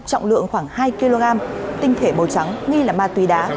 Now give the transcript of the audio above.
trọng lượng khoảng hai kg tinh thể màu trắng nghi là ma túy đá